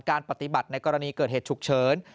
การปฏิบัติในกรณีเกิดเหตุฉุกเฉิน